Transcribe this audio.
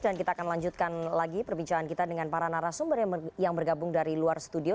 dan kita akan lanjutkan lagi perbincangan kita dengan para narasumber yang bergabung dari luar studio